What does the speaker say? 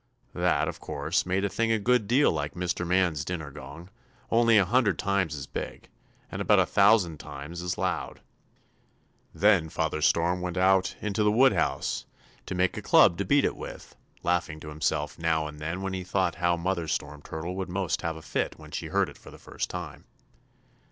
That, of course, made a thing a good deal like Mr. Man's dinner gong, only a hundred times as big, and about a thousand times as loud. Then Father Storm went out into the woodhouse to make a club to beat it with, laughing to himself now and then when he thought how Mother Storm Turtle would most have a fit when she heard it for the first time.